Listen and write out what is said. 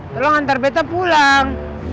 tolong antar bete pulang